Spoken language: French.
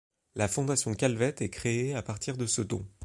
La Fondation Calvet est créée à partir de ce don.